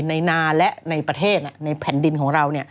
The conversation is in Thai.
นาและในประเทศในแผ่นดินของเรา